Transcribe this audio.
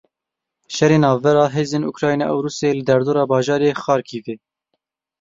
Şerê navbera hêzên Ukrayna û Rûsyayê li derdora bajarê Kharkivê.